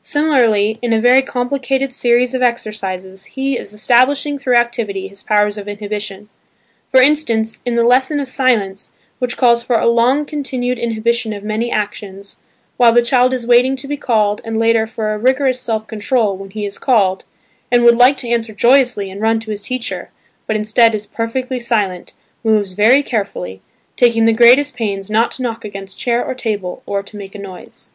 Similarly, in a very complicated series of exercises he is establishing through activity his powers of inhibition; for instance in the "lesson of silence," which calls for a long con tinued inhibition of many actions, while the child is waiting to be called and later for a rigorous self control when he is called and would like to answer joyously and run to his teacher, but instead is perfectly silent, moves very carefully, taking the greatest pains not to knock against chair or table or to make a noise.